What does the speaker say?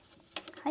はい。